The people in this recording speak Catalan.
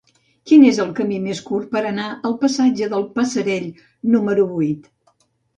Quin és el camí més curt per anar al passatge del Passerell número vuit?